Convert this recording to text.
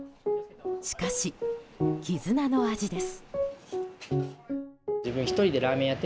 しかし絆の味です。